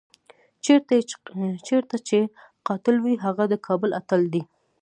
چېرته چې قاتل وي هغه د کابل اتل دی.